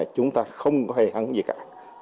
chúng ta không có hề hẳn gì cả